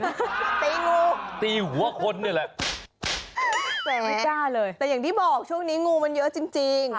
ตีงูตีหัวคนนี่แหละแต่ไม่กล้าเลยแต่อย่างที่บอกช่วงนี้งูมันเยอะจริงจริง